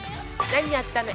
何やったの？